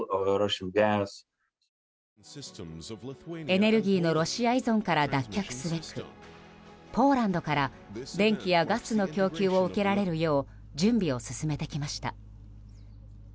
エネルギーのロシア依存から脱却すべくポーランドから電気やガスの供給を受けられるよう準備を進めてきました。